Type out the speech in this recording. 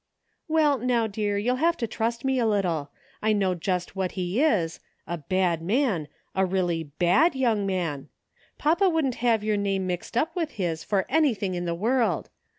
" Well, now dear, you'll have to trust me a little. I know just what he is, a bad man — a really had young man ! Papa wouldn't have your name mixed up with his for anything in the world!